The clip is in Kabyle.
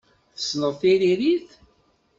Tessneḍ tiririt?